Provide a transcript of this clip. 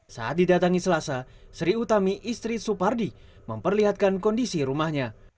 saat didatangi selasa sri utami istri supardi memperlihatkan kondisi rumahnya